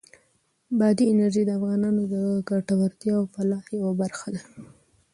بادي انرژي د افغانانو د ګټورتیا او فلاح یوه برخه ده.